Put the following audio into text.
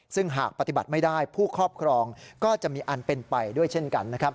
ซึ่งหากปฏิบัติไม่ได้ผู้ครอบครองก็จะมีอันเป็นไปด้วยเช่นกันนะครับ